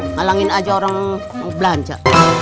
malangin aja orang belanja